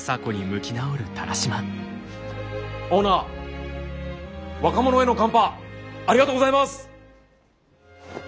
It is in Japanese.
オーナー若者へのカンパありがとうございます。